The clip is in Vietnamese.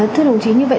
thưa đồng chí như vậy